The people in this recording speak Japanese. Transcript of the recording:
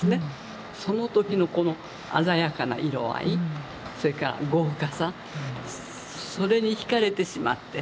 そのときのこの鮮やかな色合いそれから豪華さそれに惹かれてしまって。